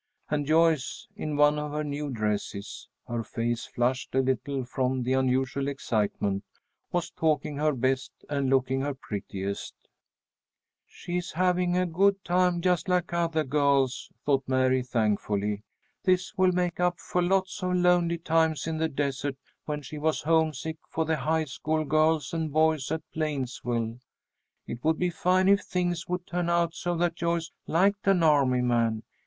And Joyce, in one of her new dresses, her face flushed a little from the unusual excitement, was talking her best and looking her prettiest. [Illustration: "HE WAS LEANING FORWARD IN HIS CHAIR, TALKING TO JOYCE"] "She's having a good time just like other girls," thought Mary, thankfully. "This will make up for lots of lonely times in the desert, when she was homesick for the high school girls and boys at Plainsville. It would be fine if things would turn out so that Joyce liked an army man.